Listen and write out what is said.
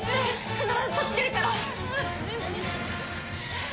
必ず助けるから！